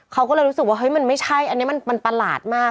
เขาก็เลยรู้สึกว่าเฮ้ยมันไม่ใช่อันนี้มันประหลาดมาก